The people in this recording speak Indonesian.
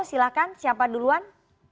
silahkan siapa duluan